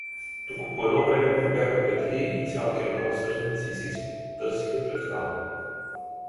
Току по едно време пропяха петли и цял керван сърненци се изтърсиха пред хана.